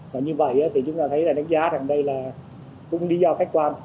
và như vậy thì chúng ta thấy là đánh giá rằng đây là cũng lý do khách quan